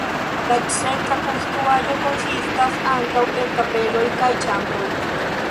La centra konstruaĵo konsistas ankaŭ el kapeloj kaj ĉambroj.